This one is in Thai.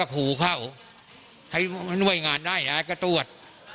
อยากร้องความยุติธรรมฮ้าก็คูเข้าให้ไว้งานได้ให้ตรวจ